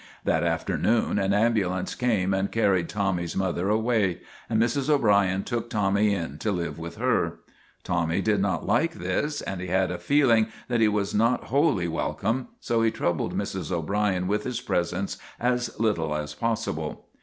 That afternoon an ambulance came and carried Tommv's mother awav, and Mrs. O'Brien took */^ Tommy in to live with her. Tommy did not like MAGINNIS 59 this, and he had a feeling that he was not wholly wel come, so he troubled Mrs. O'Brien with his presence as little as possible.